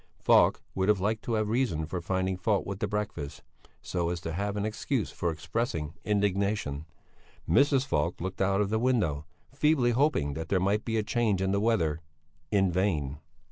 Falk would have liked to have reason for finding fault with the breakfast, so as to have an excuse for expressing indignation; Mrs. Falk looked out of the window, feebly hoping that there might be a change in the weather in vain.